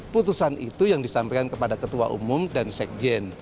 putusan itu yang disampaikan kepada ketua umum dan sekjen